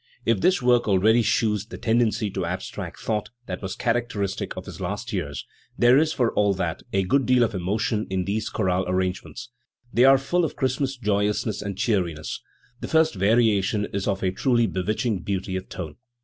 If this work already she yvs the tendency to abstract thought that was characteristic of his last years, there is, for all that, a good deal of emotion in these chorale arrangements. They are full of Christmas joyousness and cheeriness. The first variation is of a truly bewitching beauty of tone.